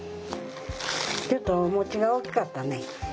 ちょっとお餅が大きかったね。